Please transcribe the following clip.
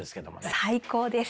最高です！